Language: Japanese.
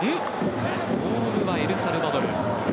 ボールはエルサルバドル。